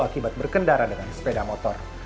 akibat berkendara dengan sepeda motor